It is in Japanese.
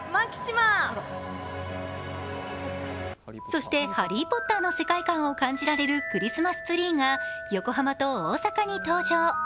そして、「ハリー・ポッター」の世界観を感じられるクリスマスツリーが横浜と大阪に登場。